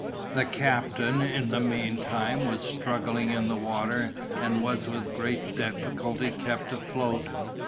The captain, in the meantime, was struggling in the water, and was with great difficulty kept afloat.